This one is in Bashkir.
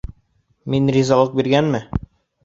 Мин ризалыҡ биргәнме?